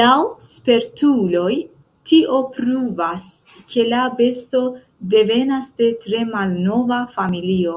Laŭ spertuloj tio pruvas, ke la besto devenas de tre malnova familio.